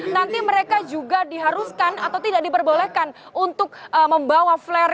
nanti mereka juga diharuskan atau tidak diperbolehkan untuk membawa flare